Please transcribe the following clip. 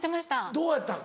どうやったん？